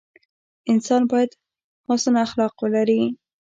انسان باید حسن اخلاق ولري.